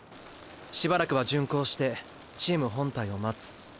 しばらくは巡航してチーム本体を待つ。